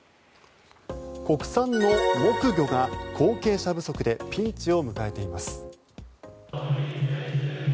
国産の木魚が後継者不足でピンチを迎えています。